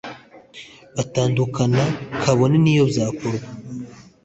batandukana kabone n'iyo byakorwa